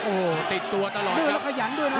โอ้โหติดตัวตลอดครับดื้อแล้วขยันด้วยแล้ว